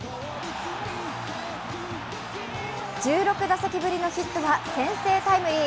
１６打席ぶりのヒットは先制タイムリー。